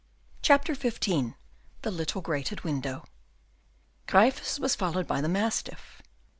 Chapter 15. The Little Grated Window Gryphus was followed by the mastiff.